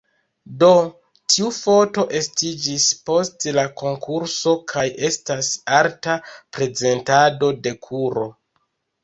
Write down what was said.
Do, tiu foto estiĝis post la konkurso kaj estas arta prezentado de kuro.